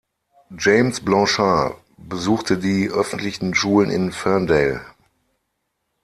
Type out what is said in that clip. James Blanchard besuchte die öffentlichen Schulen in Ferndale.